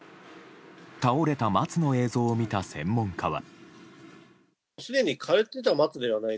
倒れた松の映像を見た専門家は。